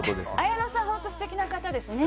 綾野さん、本当に素敵な方ですね。